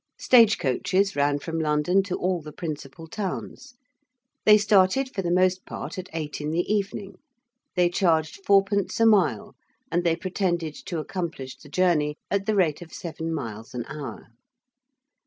Stage coaches ran from London to all the principal towns. They started, for the most part, at eight in the evening. They charged fourpence a mile, and they pretended to accomplish the journey at the rate of seven miles an hour.